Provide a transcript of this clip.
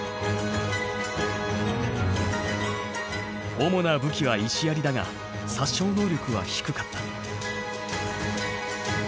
主な武器は石やりだが殺傷能力は低かった。